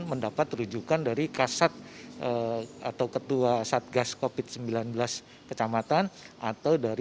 mendapat rujukan dari kasat atau ketua satgas covid sembilan belas kecamatan atau dari